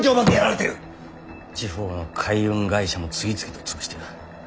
地方の海運会社も次々と潰してる。